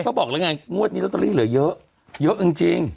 เขาบอกแล้วไงงวดนี้ลอตเตอรี่เหลือเยอะเยอะจริง